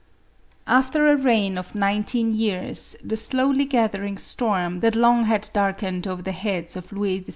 After a reign of nineteen years, the slowly gathering storm that long had darkened over the heads of Louis XVI.